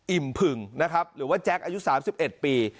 อิ่มพึงนะครับหรือว่าแจ๊กอายุสามสิบเอ็ดปี